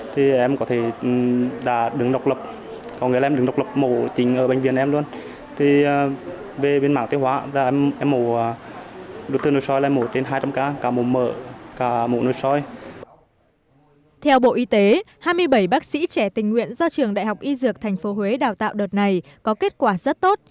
theo bộ y tế hai mươi bảy bác sĩ trẻ tình nguyện do trường đại học y dược thành phố huế đào tạo đợt này có kết quả rất tốt